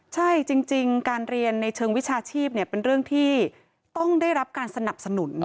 ใช่จริงการเรียนในเชิงวิชาชีพเป็นเรื่องที่ต้องได้รับการสนับสนุน